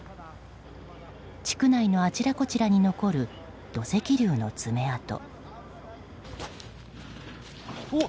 地区内のあちらこちらに残る土石流の爪痕。